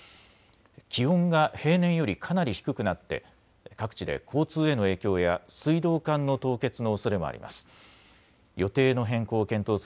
気温が平年よりかなり低くなって各地で交通への影響や水道管の凍結のおそれもあります。